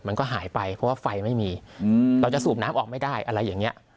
มันก็หายไปเพราะว่าไฟไม่มีเราจะสูบน้ำออกไม่ได้อะไรอย่างนี้